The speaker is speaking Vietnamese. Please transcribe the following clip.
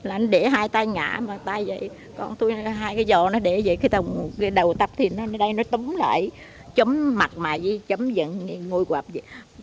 anh để hai tay ngã con tôi hai cái giỏ nó để vậy cái đầu tập thì nó tống lại chấm mặt mà chấm dẫn ngồi quạp vậy